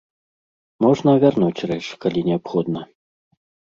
Можна вярнуць рэч, калі неабходна.